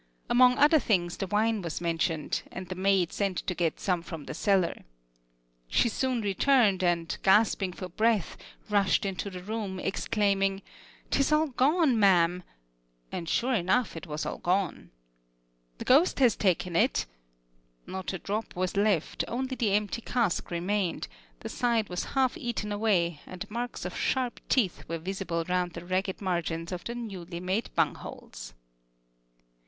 Among other things the wine was mentioned, and the maid sent to get some from the cellar. She soon returned, and gasping for breath, rushed into the room, exclaiming, "'Tis all gone, ma'am;" and sure enough it was all gone. "The ghost has taken it" not a drop was left, only the empty cask remained; the side was half eaten away, and marks of sharp teeth were visible round the ragged margins of the newly made bungholes.